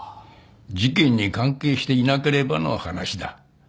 事件に関係していなければの話だ。